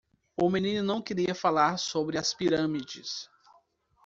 O menino não queria falar sobre as pirâmides.